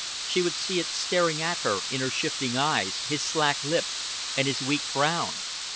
She would see it staring at her in his shifting eyes, his slack lip, and his weak frown.